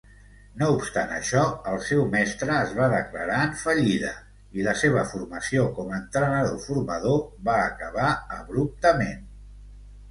No obstant això, el seu mestre es va declarar en fallida i la seva formació com a entrenador-formador va acabar abruptament.